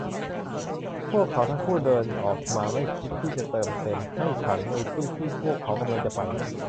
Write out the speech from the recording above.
พวกเขาทั้งคู่เดินออกมาไม่คิดที่จะเติมเต็มให้ฉันในที่ที่พวกเขากำลังจะไป